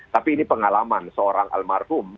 tapi ini pengalaman seorang almarhum